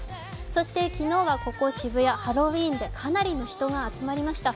そして昨日はここ渋谷、ハロウィーンでかなりの人が集まりました。